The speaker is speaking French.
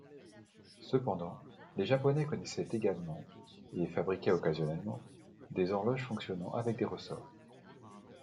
Cependant, les Japonais connaissaient également, et fabriquaient occasionnellement, des horloges fonctionnant avec des ressorts.